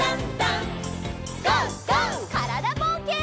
からだぼうけん。